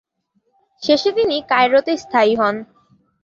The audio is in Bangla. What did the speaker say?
শেষে তিনি কায়রোতে স্থায়ী হন।